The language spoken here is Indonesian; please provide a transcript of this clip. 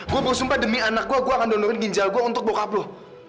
gue bersumpah demi anak gue gue akan donorin ginjal gue untuk bokap lo